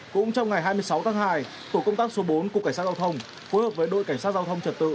cũng trong ngày hai mươi sáu tháng hai tổ công tác số bốn của cảnh sát giao thông phối hợp với đội cảnh sát giao thông trật tự